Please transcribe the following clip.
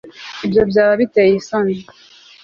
ibyo byaba biteye isoni